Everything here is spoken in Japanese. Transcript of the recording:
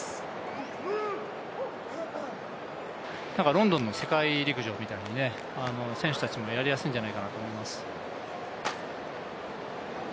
ロンドンの世界陸上みたいに選手たちもやりやすいんじゃないかなと思います。